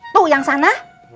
tuh yang sana